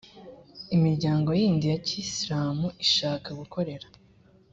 imiryango yindi ya kiyisilamu ishaka gukorera